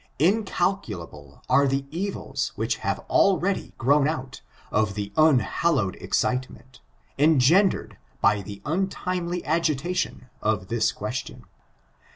Incalculable are the evils which have already grown out of the unhallowed excite ment, engendered by the untimely agitation of this question.